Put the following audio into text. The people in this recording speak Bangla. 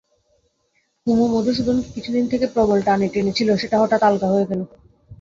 কুমু মধুসূদনকে কিছুদিন থেকে প্রবল টানে টেনেছিল, সেটা হঠাৎ আলগা হয়ে গেল।